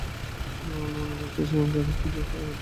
আমার মন বলছে সেখানে খারাপ কিছু ঘটতে চলেছে।